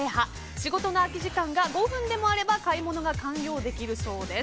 仕事の空き時間が５分でもあれば買い物が完了できるそうです。